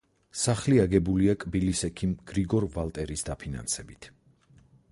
სახლი აგებულია კბილის ექიმ გრიგორ ვალტერის დაფინანსებით.